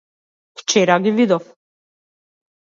Вчера ги видов.